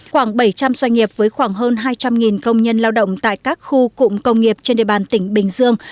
khoảng bảy trăm linh doanh nghiệp với khoảng hơn hai trăm linh công nhân lao động tại các khu cụm công nghiệp trên địa bàn tỉnh bình dương